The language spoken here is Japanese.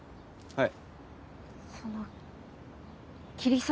はい！